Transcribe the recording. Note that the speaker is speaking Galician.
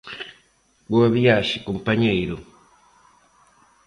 Boa viaxe, compañeiro.